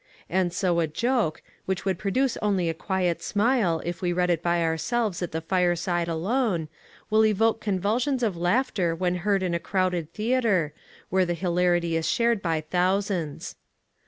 And so a joke, which would produce only a quiet smile if we read it by ourselves at the fireside alone, will evoke convulsions of laughter when heard in a crowded theatre, where the hilarity is shared by thousands.